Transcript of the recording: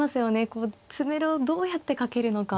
こう詰めろをどうやってかけるのか。